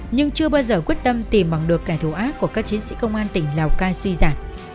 nhưng chưa bao giờ quyết tâm tìm bằng được kẻ thù ác của các chiến sĩ công an tỉnh lào cai suy giả